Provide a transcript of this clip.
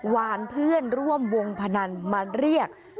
วานเพื่อนร่วมวงพนันมาเรียก